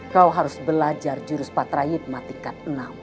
kau harus belajar jurus patra hidma tingkat enam